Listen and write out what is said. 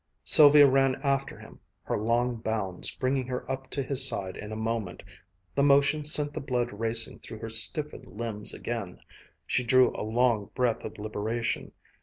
Sylvia ran after him, her long bounds bringing her up to his side in a moment. The motion sent the blood racing through her stiffened limbs again. She drew a long breath of liberation.